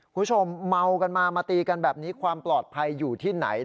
คุณผู้ชมเมากันมามาตีกันแบบนี้ความปลอดภัยอยู่ที่ไหน